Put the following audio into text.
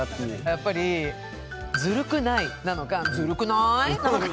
やっぱり「ズルくない」なのか「ズルくない」なのか